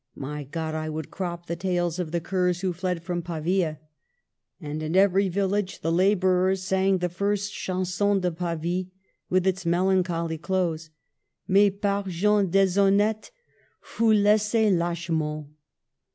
My God ! I would crop the tails of the curs who fled from Pavia." And in every village the laborers sang the first '' Chanson de Pavie " with its melancholy close :—" Mais par gens deshonnestes Fust laisse lachement."